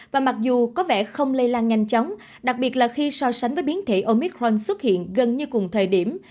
và mặc dù có vẻ không lây lan nhanh chóng đặc biệt là khi so sánh với biến thể omicron xuất hiện gần như cùng thời điểm